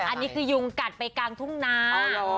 อันนี้คือยุงกัดไปกลางทุ่งนา